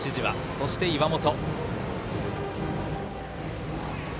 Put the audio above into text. そして、岩本。